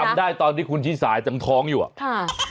จำได้ตอนที่คุณชิสาจังท้องอยู่อ่ะค่ะ